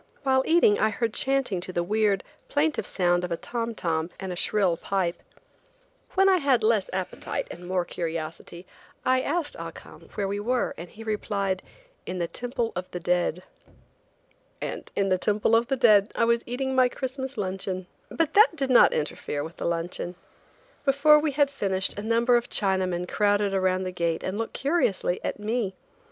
While eating I heard chanting to the weird, plaintive sound of a tom tom and a shrill pipe. When I had less appetite and more curiosity, I asked Ah Cum where we were, and he replied: "in the Temple of the Dead." And in the Temple of the Dead I was eating my Christmas luncheon. But that did not interfere with the luncheon. Before we had finished a number of Chinaman crowded around the gate and looked curiously at me.